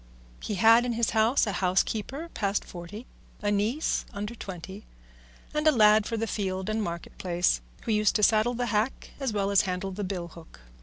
He had in his house a housekeeper past forty, a niece under twenty, and a lad for the field and market place, who used to saddle the hack as well as handle the bill hook.